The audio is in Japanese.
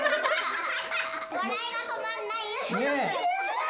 笑いが止まんない。